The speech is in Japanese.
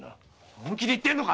本気で言ってるのか？